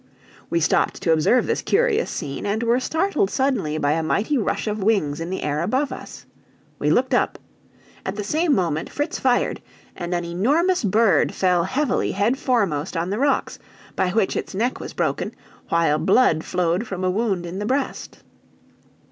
We stopped to observe this curious scene, and were startled suddenly by a mighty rush of wings in the air above us. We looked up; at the same moment Fritz fired, and an enormous bird fell heavily head foremost on the rocks, by which its neck was broken, while blood flowed from a wound in the breast.